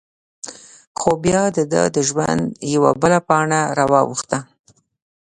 خو؛ بیا د دهٔ د ژوند یوه بله پاڼه را واوښته…